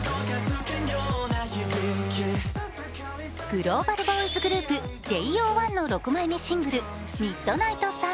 グローバルボーイズグループ、ＪＯ１の６枚目シングル「ＭＩＤＮＩＧＨＴＳＵＮ」。